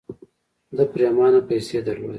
ده پرېمانه پيسې درلودې.